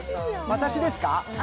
私ですか？